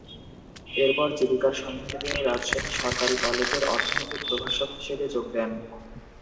এরপর জীবিকার সন্ধানে তিনি রাজশাহী সরকারি কলেজে অর্থনীতির প্রভাষক হিসেবে যোগ দেন।